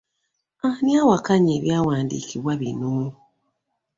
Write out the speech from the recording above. Ani awakanya ebyawandiikibwa bino?